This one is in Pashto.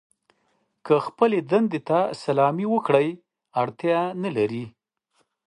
که خپلې دندې ته سلامي وکړئ اړتیا نه لرئ.